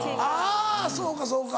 あぁそうかそうか。